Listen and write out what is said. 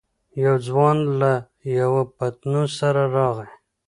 يو ځوان له يوه پتنوس سره راغی.